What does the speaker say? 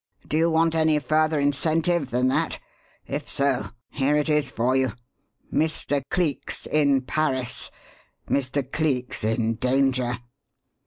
Do you want any further incentive than that? If so, here it is for you: Mr. Cleek's in Paris! Mr. Cleek's in danger!"